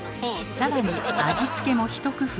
更に味付けも一工夫。